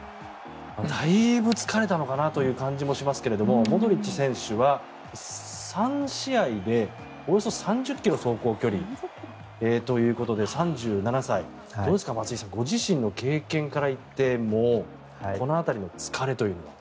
だいぶ疲れたのかなという感じもしますがモドリッチ選手は３試合でおよそ３０ｋｍの走行距離ということで３７歳、どうですか松井さんご自身の経験から言ってこの辺りの疲れというのは。